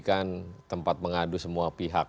kan tempat mengadu semua pihak